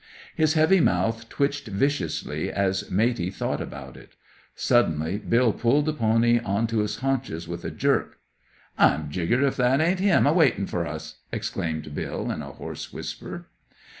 His heavy mouth twitched viciously as Matey thought about it. Suddenly Bill pulled the pony on to its haunches with a jerk. "I'm jiggered if that ain't 'im a waitin' for us!" exclaimed Bill, in a hoarse whisper.